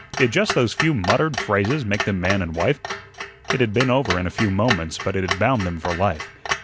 Did just those few muttered phrases make them man and wife? It had been over in a few moments, but it had bound them for life.